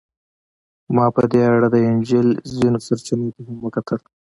ما په دې اړه د انجیل ځینو سرچینو ته هم وکتل.